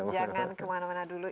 jangan kemana mana dulu